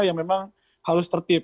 yang memang harus tertib